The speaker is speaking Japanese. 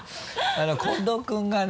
近藤君がね。